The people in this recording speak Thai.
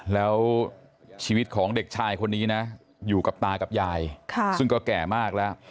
แล้วชีวิตของเด็กชายคนนี้นะอยู่กับตากับยายซึ่งก็แก่มากแล้ว